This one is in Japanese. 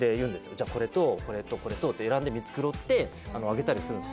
「じゃあこれとこれとこれと」って選んで見繕ってあげたりするんです